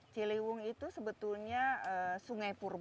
ciliwung itu sebetulnya sungai purba